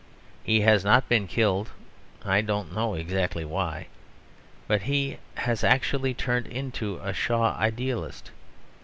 He has not been killed (I don't know exactly why), but he has actually turned into a Shaw idealist.